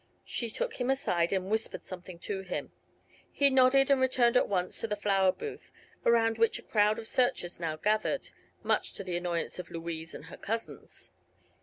She took him aside and whispered something to him. He nodded and returned at once to the flower booth, around which a crowd of searchers now gathered, much to the annoyance of Louise and her cousins.